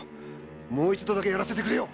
もう一度だけやらせてくれよ！